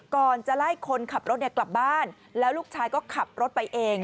ก่อนจะไล่คนขับรถกลับบ้านแล้วลูกชายก็ขับรถไปเอง